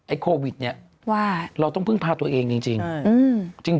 ไอ้โควิดเราต้องพึ่งพาตัวเองจริง